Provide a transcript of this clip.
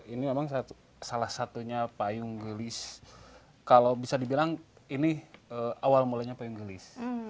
ini memang salah satunya payung gelis kalau bisa dibilang ini awal mulanya payung gelis